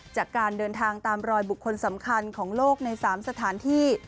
จากการเดินทางตามรอยบุคคลสำคัญของโลกใน๓สถานที่